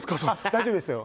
大丈夫ですよ。